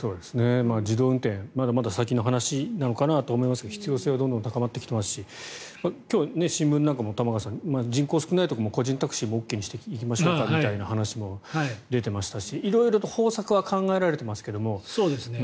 自動運転まだまだ先の話かなと思いますが必要性はどんどん高まってきていますし今日、新聞なんかも玉川さん、人口少ないところも個人タクシーもＯＫにしていきましょうみたいな話も出てましたし色々と方策は考えられていますけども。